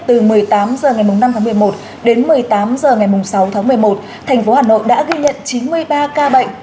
từ một mươi tám h ngày năm tháng một mươi một đến một mươi tám h ngày sáu tháng một mươi một thành phố hà nội đã ghi nhận chín mươi ba ca bệnh